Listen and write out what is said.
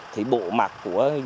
thì bộ mặt của